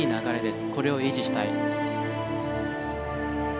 これを維持したい。